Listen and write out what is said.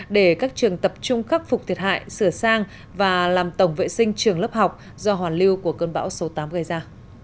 để các trường tập trung khắc phục thiệt hại sửa sang và làm tổng vệ sinh trường lớp học do hoàn lưu của cơn bão số tám gây ra